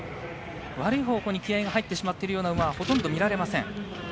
悪い方向に気合いが入ってしまっているような馬はほとんど見られません。